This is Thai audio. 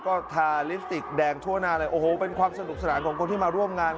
ก็ทาลิปสติกแดงทั่วหน้าเป็นความสนุกสนานคนที่มาร่วมงาน